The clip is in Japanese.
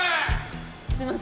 すいません。